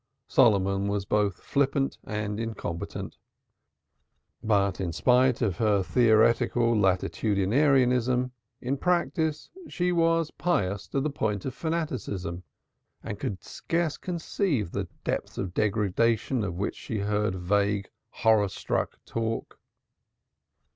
Solomon was both flippant and incompetent. But in spite of her theoretical latitudinarianism, in practice she was pious to the point of fanaticism and could scarce conceive the depths of degradation of which she heard vague horror struck talk.